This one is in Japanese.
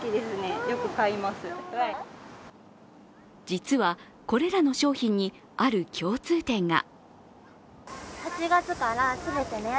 実は、これらの商品にある共通点が。